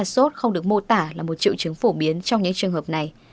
sốt không được mô tả là một triệu chứng phổ biến trong những trường hợp này